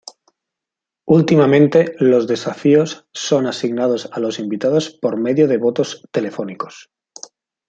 Últimamente los desafíos son asignados a los invitados por medio de votos telefónicos.